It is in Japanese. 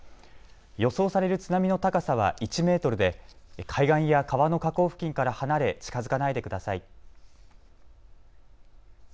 予想される津波の高さは１メートルで海岸や川の河口付近から離れ近づかないでください。